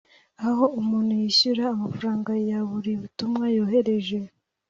aho umuntu yishyura amafaranga ya buri butumwa yohereje